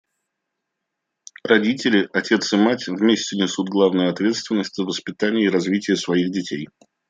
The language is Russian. Родители — отец и мать вместе — несут главную ответственность за воспитание и развитие своих детей.